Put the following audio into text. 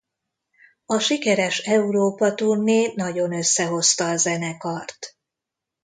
A sikeres Európa-turné nagyon összehozta a zenekart.